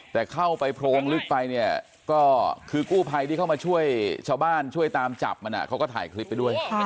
แต่เข้าไปโพรงลึกไปเนี่ยก็คือกู้ภัยที่เข้ามาช่วยชาวบ้านช่วยตามจับมันเขาก็ถ่ายคลิปไปด้วย